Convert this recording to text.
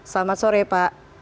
selamat sore pak